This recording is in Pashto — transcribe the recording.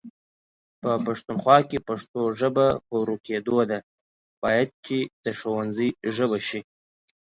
په پښتونخوا کې پښتو ژبه په ورکيدو ده، بايد چې د ښونځي ژبه شي